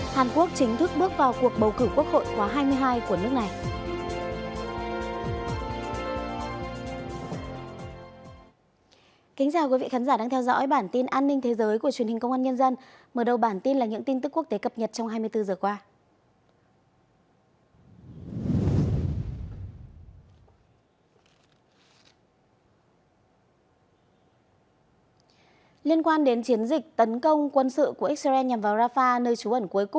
hàn quốc chính thức bước vào cuộc bầu cử quốc hội quá hai mươi hai của nước này